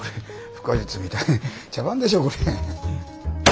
腹話術みたい茶番でしょこれ。